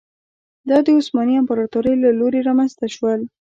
دا د عثماني امپراتورۍ له لوري رامنځته شول.